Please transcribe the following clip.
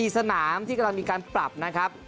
สนามที่กำลังมีการปรับนะครับ